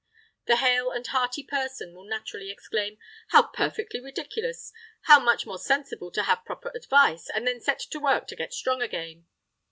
The hale and hearty person will naturally exclaim: "How perfectly ridiculous! How much more sensible to have proper advice, and then set to work to get strong again!"